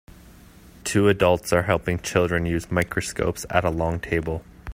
Two adults are helping children use microscopes at a long table.